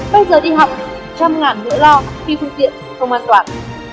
bây giờ đi học trăm ngàn người lo khi phương tiện không an toàn